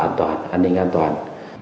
an toàn an ninh an toàn